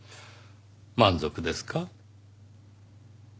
満足ですか？